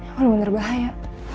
emang bener bahaya